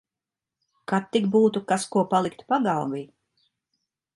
Kad tik būtu kas ko palikt pagalvī.